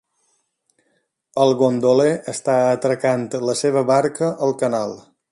El gondoler està atracant la seva barca al canal